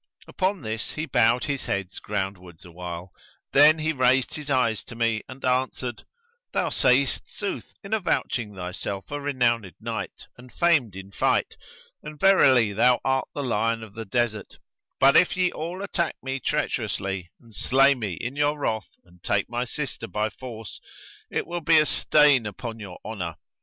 Upon this, he bowed his head groundwards awhile, then he raised his eyes to me and answered, "Thou sayest sooth in avouching thyself a renowned knight and famed in fight and verily thou art the lion of the desert; but if ye all attack me treacherously and slay me in your wrath and take my sister by force, it will be a stain upon your honour.